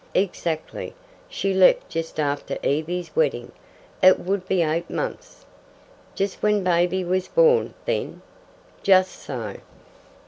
"Exactly. She left just after Evie's wedding. It would be eight months." "Just when baby was born, then?" "Just so."